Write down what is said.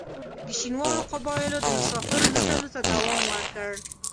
د شینوارو قبایلو د مسافرو لوټلو ته دوام ورکړ.